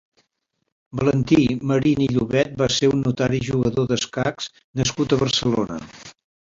Valentí Marín i Llovet va ser un notari i jugador d'escacs nascut a Barcelona.